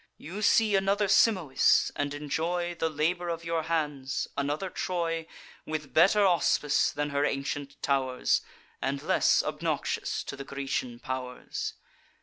You see another Simois, and enjoy The labour of your hands, another Troy, With better auspice than her ancient tow'rs, And less obnoxious to the Grecian pow'rs.